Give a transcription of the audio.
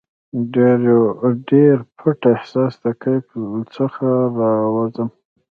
دیو پټ احساس د کیف څخه راوزم